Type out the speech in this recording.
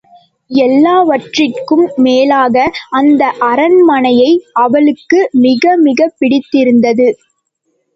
எல்லாவற்றுக்கும் மேலாக அந்த அரண்மனையை அவளுக்கு மிக மிகப் பிடித்திருந்தது.